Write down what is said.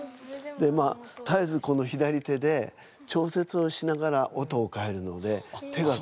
でまあたえずこの左手で調節をしながら音を変えるので手が。